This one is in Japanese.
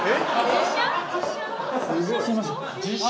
実写？